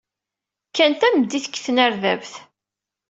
Kkan tameddit deg tnerdabt.